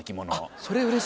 それうれしいわ。